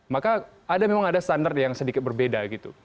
maka memang ada standar yang sedikit berbeda gitu